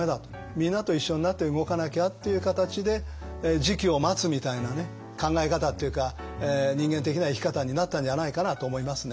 みんなと一緒になって動かなきゃっていう形で時機を待つみたいな考え方っていうか人間的な生き方になったんじゃないかなと思いますね。